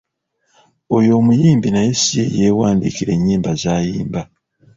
Oyo muyimbi naye si yeyeewandiikira enyimba z'ayimba.